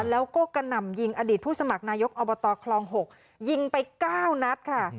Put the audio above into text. แล้วก็กระหน่ำยิงอดีตผู้สมัครนายกอบตคลอง๖ยิงไป๙นัดค่ะ